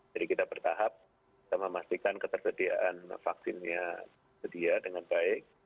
jadi kita bertahap kita memastikan ketersediaan vaksinnya sedia dengan baik